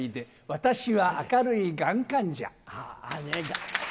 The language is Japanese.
私は明るいがん患者。